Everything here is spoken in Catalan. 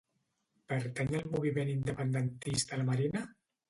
Pertany al moviment independentista la Marina?